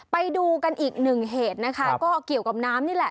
ไปดูกันอีกหนึ่งเหตุนะคะก็เกี่ยวกับน้ำนี่แหละ